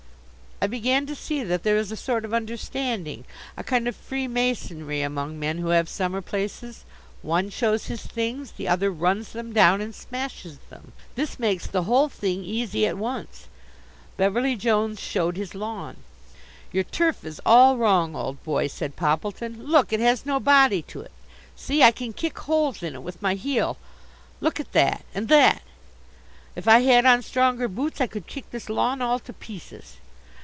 I began to see that there is a sort of understanding, a kind of freemasonry, among men who have summer places. One shows his things; the other runs them down, and smashes them. This makes the whole thing easy at once. Beverly Jones showed his lawn. "Your turf is all wrong, old boy," said Poppleton. "Look! it has no body to it. See, I can kick holes in it with my heel. Look at that, and that! If I had on stronger boots I could kick this lawn all to pieces."